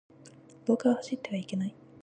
廊下は走ってはいけない。